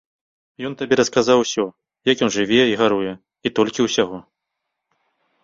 Ён табе расказаў усё, як ён жыве і гаруе, і толькі ўсяго.